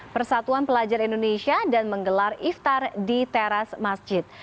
persatuan pelajar indonesia dan menggelar iftar di teras masjid